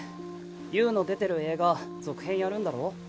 ユウの出てる映画続編やるんだろ？